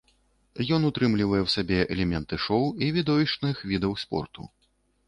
Ён утрымлівае ў сабе элементы шоу і відовішчных відаў спорту.